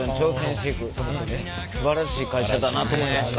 すばらしい会社だなと思いました。